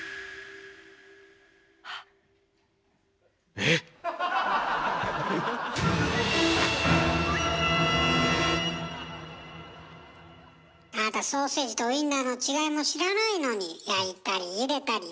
えっ⁉あなたソーセージとウインナーの違いも知らないのに焼いたりゆでたりパリパリ